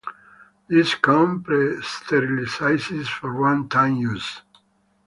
These come pre-sterilized for one time use.